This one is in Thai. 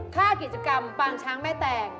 ค่ากิจกรรมปางช้างแม่แตง